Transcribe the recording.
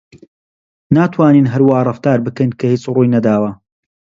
ناتوانین هەر وا ڕەفتار بکەین کە هیچ ڕووی نەداوە.